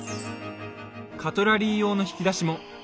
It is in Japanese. カトラリー用の引き出しも。